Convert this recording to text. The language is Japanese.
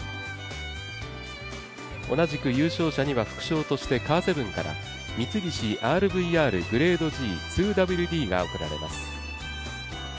同じく優勝者には副賞として、カーセブンから三菱ＲＶＲグレードＧ２ＷＤが贈られます。